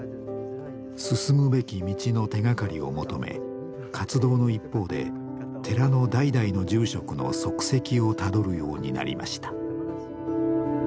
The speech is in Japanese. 進むべき道の手がかりを求め活動の一方で寺の代々の住職の足跡をたどるようになりました。